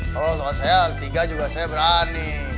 kalau soal saya tiga juga saya berani